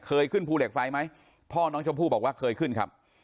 ขึ้นภูเหล็กไฟไหมพ่อน้องชมพู่บอกว่าเคยขึ้นครับ